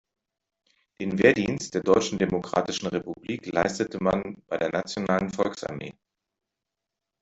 Den Wehrdienst der Deutschen Demokratischen Republik leistete man bei der nationalen Volksarmee.